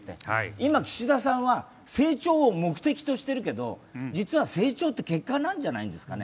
今、岸田さんは成長を目的としているけど実は成長って結果なんじゃないですかね？